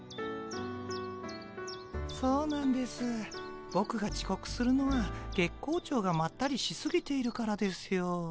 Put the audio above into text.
そうなんですボクがちこくするのは月光町がまったりしすぎているからですよ。